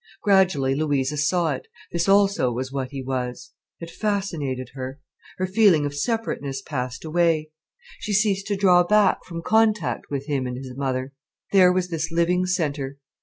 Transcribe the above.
Gradually Louisa saw it: this also was what he was. It fascinated her. Her feeling of separateness passed away: she ceased to draw back from contact with him and his mother. There was this living centre.